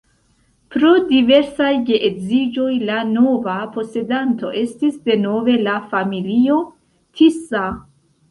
Pro diversaj geedziĝoj la nova posedanto estis denove la familio Tisza.